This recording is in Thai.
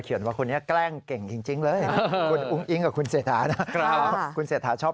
เขียนว่าคุณเนี่ยแกล้งเก่งจริงเลยอุ้งอิ้งคุณเศรษฐาชอบ